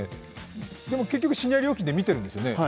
でも、結局シニア料金で見てるんですよね？